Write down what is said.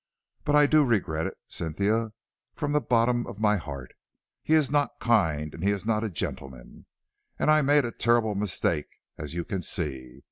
But I do regret it, Cynthia, from the bottom of my heart. He is not kind, and he is not a gentleman, and I made a terrible mistake, as you can see.